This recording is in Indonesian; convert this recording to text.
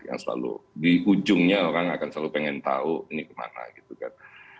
yang selalu di ujungnya orang akan selalu pengen tahu ini kemana gitu kan